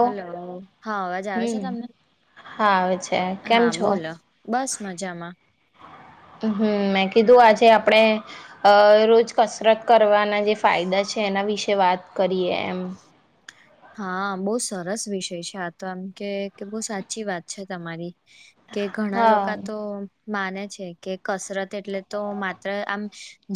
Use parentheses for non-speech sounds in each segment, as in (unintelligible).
Hello હા અવાજ આવે છે હમ. તમને. હા આવે છે કેમ હા છો બોલો બસ મજામાં. હમ મેં કીધું આજે આપડણે અ રોજ કસરત કરવાના જે ફાયદા છે એના વિશે વાત કરીએ એમ. હા બહુ સરસ વિષય છે આ તો આમ કે બહ સાચી વાત છે તમારી. કે ઘણા લોકો હા. તો. માને છે કે કસરત એટલે તો માત્ર આમ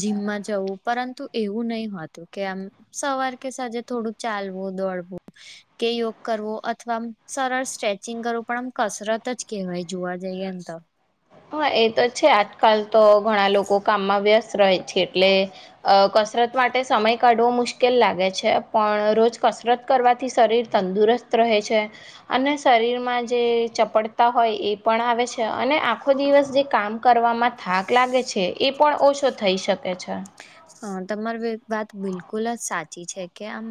જીમમાં જવું પરંતુ એવું નહીં હોતું કે આમ સવાર કે સાજે થોડું ચાલવું દોડુંવું હ (unintelligible) કે યોગ કરવો અથવા આમ સરસ સ્ટ્રેચિંગ કરવું પણ આમ કસરત જ કેહેવાય જોવા જઈએ એને તો. હા એ તો છે આજકાલ તો ઘણા લોકો કામમાં વ્યસ્ત રહે છે એટલે કસરત માટે સમય કાઢવો મુશ્કેલ લાગે છે પણ રોજ કસરત કરવાથી શરીર તંદુરસ્ત રહે છે અને શરીર જે ચપડતા હોય એ પણ આવે છે અને આખ. આખો દિવસ જે કામ કરવામાં થાક લાગે છે એ પણ ઓછો થઈ શકે છે. હ તમારી વાત બિલકુલ જ સાચી છે કે આમ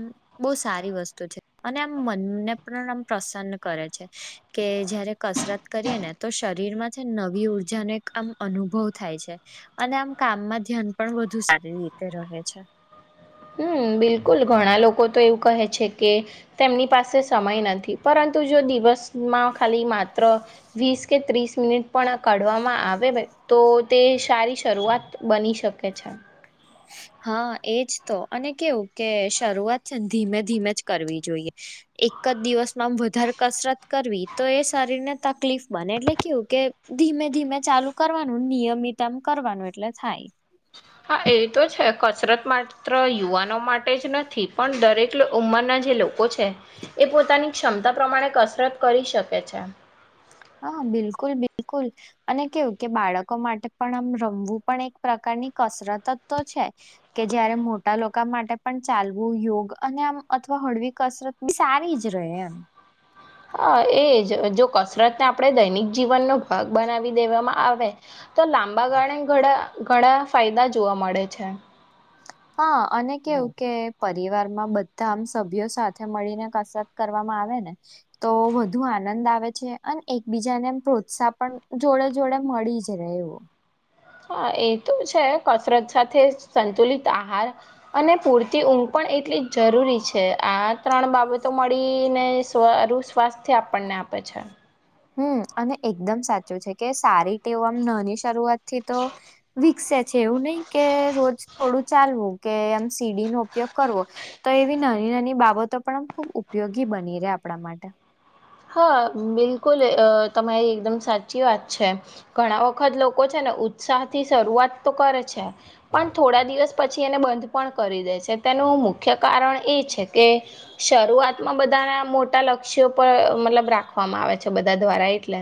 બહુ સારી વસ્તુ છે અને મનને પણ પ્રસન્ન કરે છે કે જયારે કસરત કરીએ ને તો શરીરમાં નવી ઉર્જાનો એક આમ અનુભવ થાય છે અને આમ કામમાં ધ્યાન પણ વધુ રીતે રહે છે. હમ બિલકુલ ઘણા લોકો તો એવું કહે છે કે તેમની પાસે સમય નથી પરંતુ જો દિવસમાં ખાલી માત્ર વીસ કે ત્રીસ મિનિટ પણ કઢવામાં આવે. તો તે સારી શરૂઆત બની શકે છે. હા એજ તો અને કેવું કે શરૂઆત છે ધીમે ધીમે જ કરવી જોઈએ. એક જ દિવસમાં આમ વધારે કસરત કરવી તો એ શરીર ને તકલીફ બને એટલે કેવું કે. ધીમે ધીમે ચાલુ કરવાનું નિયમિત આમ કરવાનું એટલે થાય. હા એ તો છે કસરત માત્ર યુવાનો માટે જ નથી પણ દરેક ઉંમરના. લોકો છે એ પોતાની ક્ષમતા પ્રમાણે કસરત કરી શકે છે. હા બિલકુલ બિલકુલ અને કેવું કે બાળકો માટે પણ આમ રમવું પણ એક પ્રકાર ની કસરત જ તો છે કે જયારે મોટા લોકો માટે પણ ચાલવું યોગ અને આમ અથવા હળવી કસરત બી સારી જ રહે એમ હા એજ જો કસરતને આપણે દૈનિક જીવનનોો ભાગ બનાવી દેવામાં આવે તો લાંબા ગાળ ઘણા ઘણા ફાયદા જોવા મળે છે હા અને કેવું કે પરિવારમાં બધા આમ સભ્યો સાથે મળીને કસરત કરવા આવે ને તો વધુ આનંદ આવે અને એકબીજા ને પ્રોત્સાહ પણ જોડે જોડે મળી જ રહેવું હા એ તો છે કસરત સાથે સંતુલિત આહાર અને પૂરતી ઊંઘ પણ એટલી જરૂરી છે આ ત્રણ બાબતો મળીને સારું સ્વાસ્થ્ય આપણને આપે છે હમ અને એકદમ સાચું છે કે સારી ટેવો આમ નની શરૂઆત થી તો વિકસે છે એવું નહીિ કે રોજ થોડું ચાલવું કે એમ સીડી નો ઉપયોગ કરવો તો એવી નાની નાની બાબતો પણ આમ ખુબ ઉપયોગી બની રહે આપ આપડા માટે હા બિલકુલ તમારી એકદમ સાચી વાત છે ઘણા વખત લોકો છે ને ઉત્સાહ થી શરૂઆત તો કરે છે પણ થોડા દિવસ પછી એને બંધ પણ કરી દે છે તેનું મુખ્ય કારણ એ છે કે શરૂઆતમાં બધાના મોટા લક્ષ્યો પર મતલબ રાખવામાં આવે છે બધા દ્વારા એટલે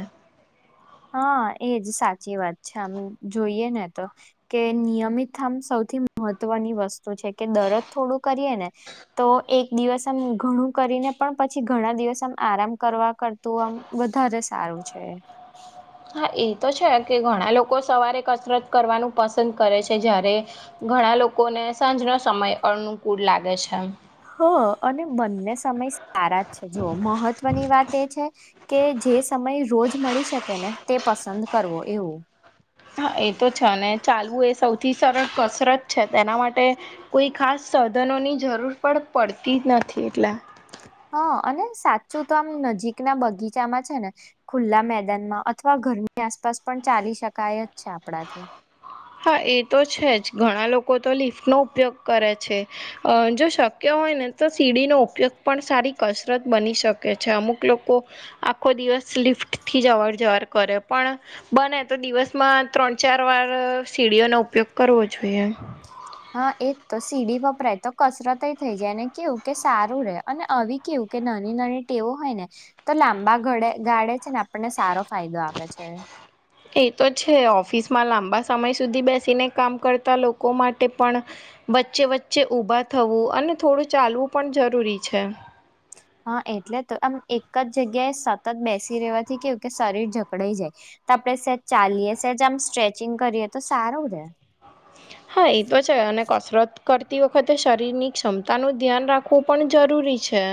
હા એજ સાચી વાત છે આમ જોઈએ ને તો કે નિયમિત આમ સૌ મહત્વની વસ્તુ છે કે દરજ થોડું કરીએ ને તો એક દિવસ આમ ઘણું કરીને પણ પછી ઘણા દિવસ આમ આરામ કરવા કરતું આમ વધારે સારું છે હા એ તો છે કે ઘણા લોકો સવારે કસરત કરવાનું પસંદ કરે છે જ્યારે ઘણા લોકોને ને સાંજનો સમય અનુકૂળ લાગે છે એમ. હ અને બંને સમય સારા જ છે જો મહત્વની વાત તે છે કે જે સમય રોજ મળી શકે ને તે પસંદ કરવો એવું. હા એ તો છે ને ચાલવું એ સૌ થી સરળ કસરત છે તેના માટે કોઈ ખાસ સાધનોની જરૂર પણ પડતી ન થી એટલા. હા અને સાચું તો આમ નજીક ના બગીચામાં છે ને ખુલ્લા મેદાનમાં અથવા ઘરની આસ આસપાસ પણ ચાલી શકાય જ છે આપણાથી. હા એ તો છે જ ઘણા લોકો. લોકો તો લિફ્ટનો ઉપયોગ કરે છે, જો શક્ય હોય ને તો સીડીનો ઉપયોગ પણ સારી. કસરત બની શકે છે અમુક લોકો આખો દિવસ લિફ્ટ થી જ અવર જવર કરે. પણ બને તો દિવસમાં ત્રણ ચાર વાર. સીડીઓનો ઉપયોગ કરવો જોઈએ. હા એજ તો સીડી વપરાય તો કસરત એ થઈ જાય એને કેવું કે સારું રે અને આવી કેવું. કે નાની નાની ટેવો હોય ને તો લાંબા ગડે ગાળે છે ને. આપને સારો ફાયદો આપે છે. એ તો છે ઓફિસમાં લાંબા સમય સુધી બેસીને કામ કરતા લોકો માટે પણ. વચ્ચે વચ્ચે ઊભા થવું અને થોડું ચાલવું પણ જરૂરી છે. હા એટલે તો આમ એક જ જગ્યાએ સતત બેસી રેવાથી કેવું કે શરીર ઝકડાઈ જાય. આપડે સેજ ચાલીએ સેજ આમ સ્ટ્રેચિંગ કરીએ તો સારું રે. (unintelligible) હા એ તો છે અને કસરત કરતી વખતે શરીરની ક્ષમતાનું ધ્યાન રાખવું પણ જરૂરી છે.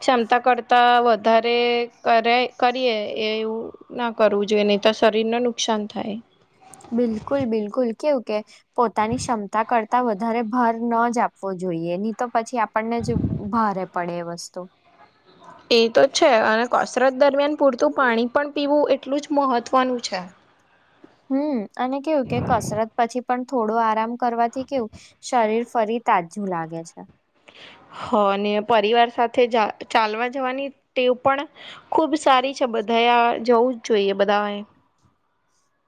ક્ષમતા કરતા વધારે કરે કરીએ એવું ના કર. કરવું જોઈએ નહી તો શરીરને નુકસાન થાય. બિલકુલ બિલકુલ કેવું. કે પોતાની ક્ષમતા કરતા વધારે ભાર ન જ આપવો જોઈએ નહી તો પછી આપણને. ભારે પડે એ વસ્તુ. એ તો છે અને કસરત દરમિયાન પૂરતું પાણી પણ પીવું એ. એટલું જ મહત્ત્વનું છે. હમ્મ અને કેવું કે કસરત પછી પણ થોડો આરામ કરવાથી કેવું શરીર ફરી. તાજું લાગે છે. હ અને પરિવાર સાથે ચાલવા જવાની ટેવ પણ. ખૂબ સારી છે બધાએ જવું જ જોઈએ બધાએ.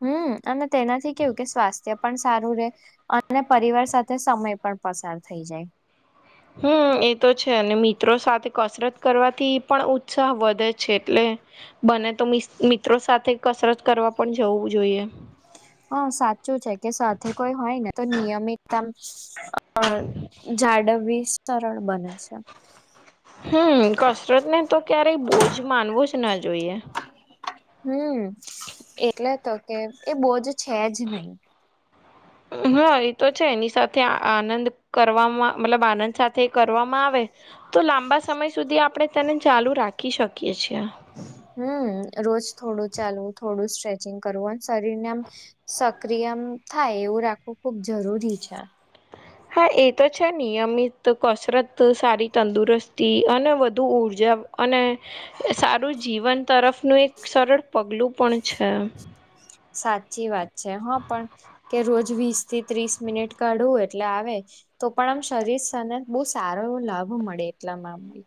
હમ અને તેનાથી કેવું કે સ્વાસ્થ્ય. પણ સારું રે અને પરિવાર સાથે સમય પણ પસાર થઈ જાય. હમ્મ એ તો છે અને મિત્રો સાથે કસરત કરવાથી પણ ઉત્સાહ વધે છે એટલે. બને તો મિત્રો સાથે કસરત કરવા પણ જવું જોઈએ. હા સાચું છે કે સાથે કોઈ હોય ને તો નિયમિતતામ. જાડવવી સરળ બને છે. હમ્મ કસરત ને તો ક્યારેય બોજ માનવું જ ના જોઈએ. હમ્મ એટલે તો કે એ બોજ છે જ નહી. (unintelligible) હા એ તો છે એની સાથે આનંદ કરવામાં મતલબ આનંદ સાથે કરવામાં આવે. તો લાંબા સમય સુધી આપણે તેને ચાલુ રાખી શકીએ છીએ. હમ રોજ થોડો. ચાલવું થોડું સ્ટ્રેચિંગ કરવું શરીરને આમ સક્રિય થાય એવું રાખવું ખબ જ. જરૂરી છે. હા એ તો છે નિયમિત કસરત સારી તંદુરસ્તી અને વધુ ઉર્જા. અને સારું જીવન તરફનું એક સરળ પગલું પણ છે. સાચી વાત છે હા પણ કે રોજ વીસ થી ત્રીસ મિનિટ કાઢવું એટલે આવે. તો પણ આમ શરીર સ્ને બહુ સારો એવો લાભ મળે એટલામાં અમ.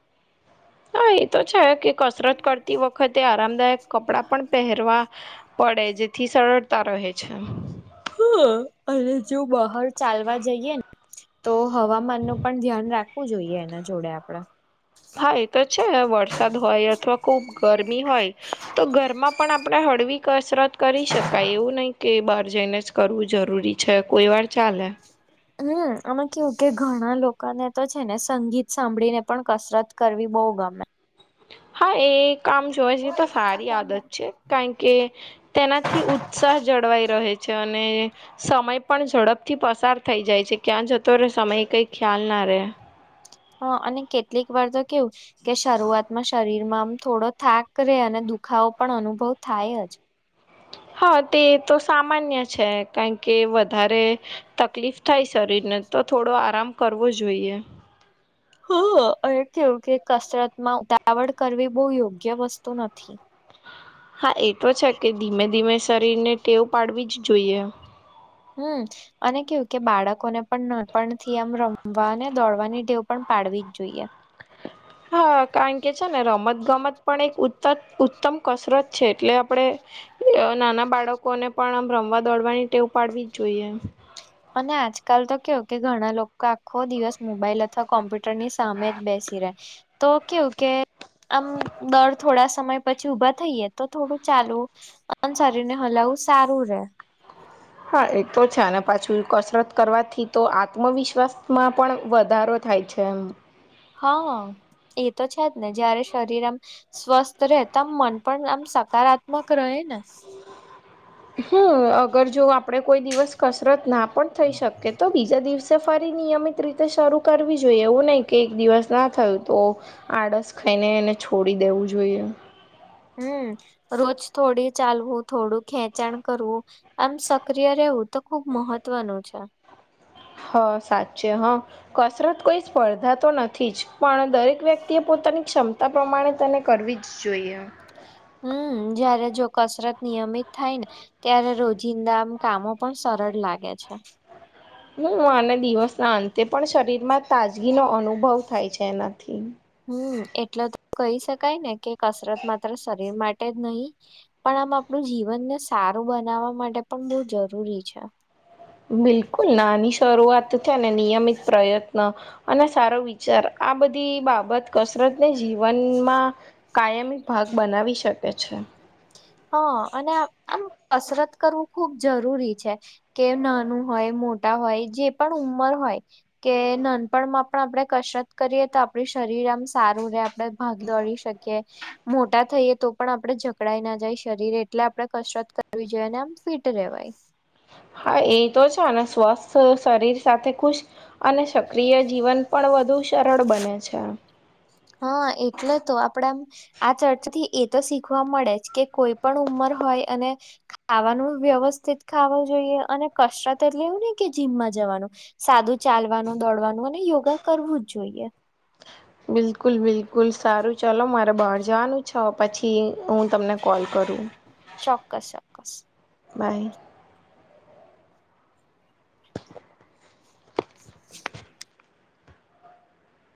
હા એ તો છે કે. કસરત કરતી વખતે આરામદાયક કપડાં પણ પહેરવા પડે જેથી સરળ. કતા રહે છે. હ અને જો બહાર ચાલવા જઈએ ને. તો હવામાન નું પણ ધ્યાન રાખવું જોઈએ એના જોડે આપડે. હા એ તો છે વરસાદ હોય અથવા ખુબ ગરમી હોય તો ઘરમાં પણ આપણે. છડવી, કસરત. કરી શકાય એવું નહીિ, કે બહાર જઈને જ કરવું જરૂરી છે, કોઈ વાર ચાલે. હમ, આમે કેવું કે ઘણા લોકોને તો છેને, સંગીત સાંભળીને પણ કસરત કરવી બ હોગ, મે. હા, એ કામ જોવા જઈએ, તો સારી આદત છે, કારણ કે તેનાથી ઉત્સાહ જ જળવાઈ, રહે છે. છે, અને સમય પણ ઝડપ થી, પસાર થઈ જાય છે, ક્યાં જતો સમય કઈ ખ્યાલ ના. રે હ, અને કેટલીક વાર, તો કેવું કે શરૂઆતમાં શરીરમાં આમ થોડો થાક, રે અને દુખાવો, પણ અનુભવ થાય જ. હા, તે તો સામાન્ય છે, કારણ કે વધારે તકલીફ થાય શરીરને. તો થોડો આરામ કરવો જોઈએ હ, એ કેવું કે કસરતમાં ઉતાવળ કરવી, બહુ યોગ્ય વસ્તુ નથી. હા, એ તો છે, કે ધીમે, ધીમે શરીર ને ટેવ પાડવી જ જોઈએ. હમ, અને કેવું કે બાળકોને પણ ન પણ થી, આમ રમવાને દોડવાની ટેવ પણ પાડવી જ જોઈએ. હા, કારણ કે છેને, રમત ગમત પણ એક ઉ ઉત્તમ કસરત છે, એટલે આપણે નાના બાળકોને પણ આ. મવા, દોડવાની ટેવું પાડવી જ જોઈએ. અને આજકાલ, તો કેયો કે ઘણા લોકો આખો દિવસ મોબાઈલ, અથવા કોમ્પ્યુટર ની સામે જ બેસે (unintelligible) તો કેવું, કે આમ દર થોડા, સમય પછી, ઉભા થઈએ, તો થોડું ચાલવું શરીર ને હલાવવું સારું રે હા, એ તો છે, અને પાછું કસરત કરવાથી તો આત્મવિશ્વાસમા પણ વધારો. થાય છે, એમ હા, એ તો છેજ, ને જયારે શરીર આમ સ્વસ્થ રહેતા, આમ મન પણ આમ સકારાત્મક, રહે ને હ હમ, અગર જો આપડે કોઈ દિવસ કસરત ના પણ થઈ, શકે તો બીજા દિવસ સફારી નિયમિત રીતે શરૂ કરવી જોઈએ એવું નહીં, કે એક દિવસના થયું તો આળસ ખાઈને, એને છોડી દેવું જોઈએ. હમ, રોજ થોડી ચાલવું થોડું, ખેંચાણ કરવું આમ સક્રિય રહે એવ, તો ખુબ મહત્વનું છે હ, સાચે હ કસરત કોઈ સ્પર્ધા, તો નથી જ પણ દરેક, વ્યક્તિએ પો તની, ક્ષમતા પ્રમાણે તને કરવી જ જોઈએ હમ, જયારે જો કસરત નિયમિત થાયને, ત્યારે રોજિંદા કામો પણ સરળ લાગે છે. હું, અને દિવસના અંતે, પણ શરીરમાં તાજગી નો અનુભવ થાય છે, એનાથી. હમ એટલે તો કહી શકા, ય ને કે કસરત માત્ર શરીર માટે માટે જ નહી, પણ આમ આપણું જીવનને સારું બનાવવા માટે પણ બહુ જરૂરી છે બિલકુલ નાની શરૂઆત છેને, નિયમિત પ્રયત્ન અને સારો વિચાર આ બધી બાબત કસરતને, જીવનમાં કાયમી ભાગ બનાવી શકે છે હ હા, અને આમ કસરત કરવું ખુબ જરૂરી છે, કે નાનું હોય મોટા હોય, જે પણ ઉંમર હોય, કે નાનપણમાં પણ આપણે કસરત કરીએ, તો આપ શરીર આમ સારું, રે આપણે ભાગ દોડી શકીએ મોટા થઈએ, તો પણ આપડે જઝકડાઈ ના શરીર એટલે આપડે કસરત, કરવી જોઈએ અને આમ ફિટ રેવાય હા, એ તો છે, અને સ્વસ્થ શરીર સાથે ખુશ અને સક્રિય જીવન પણ વધુ સરળ બને છે હા, એટલે તો આપડા આમ આ ચર્ચાથી તો શીખવા મળે જ કે કોઈ પણ ઉંમર હોય અને ખાવાનું વ્યવસ્થિત ખાવો જોઇયે. અને કસરત એટલે એવું ની કે જીમમાં જવાનું, સાદું ચાલવાનું, દોડવાનું અને યોગા કરવું જ જોઇયે. બિલકુલ બિલકુલ, સારું ચાલો મારે બાર જવાનું છ હવે પછી હું તમને કોલ કરું ચોક્કસ ચોક્કસ. બાય. (unintelligible) (inaudible)